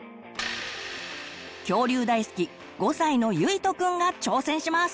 恐竜大好き５歳のゆいとくんが挑戦します！